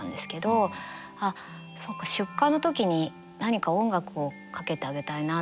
あっそっか出棺の時に何か音楽をかけてあげたいな。